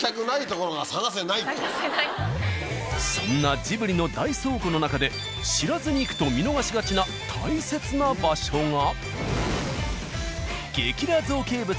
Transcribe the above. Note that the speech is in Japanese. そんなジブリの大倉庫の中で知らずに行くと見逃しがちな大切な場所が。